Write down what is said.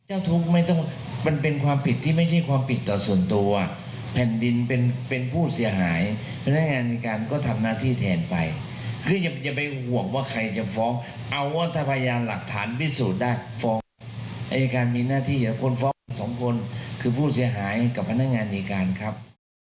อายการมีหน้าที่อย่ากล้วนฟ้องสองคนคือผู้เสียหายกับพนักงานเนินการครับ